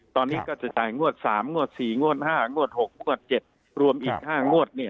ตอนนี้ก็จะจ่ายงวดสามงวดสี่งวดห้างวดหกงวดเจ็ดรวมอีกห้างวดเนี่ย